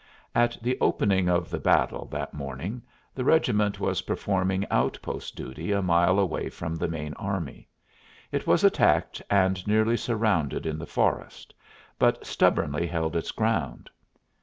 At the opening of the battle that morning the regiment was performing outpost duty a mile away from the main army. It was attacked and nearly surrounded in the forest, but stubbornly held its ground.